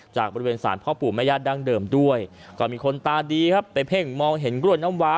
จากบริเวณศาลพ่อปู่แม่ญาติดั้งเดิมด้วยก็มีคนตาดีครับไปเพ่งมองเห็นกล้วยน้ำว้า